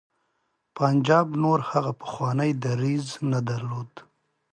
پنجاب نور هغه پخوانی دریځ نه درلود.